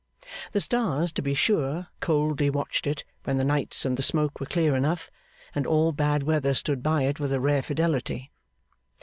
The stars, to be sure, coldly watched it when the nights and the smoke were clear enough; and all bad weather stood by it with a rare fidelity.